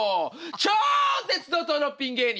超絶怒とうのピン芸人！